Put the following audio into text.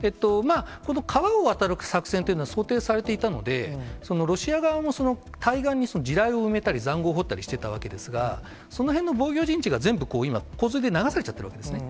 この川を渡る作戦というのは、想定されていたので、ロシア側も対岸に地雷を埋めたり、塹壕を掘ったりしていたわけですが、その辺の防御陣地が全部、今、洪水で流されちゃっているわけですね。